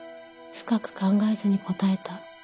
深く考えずに答えた。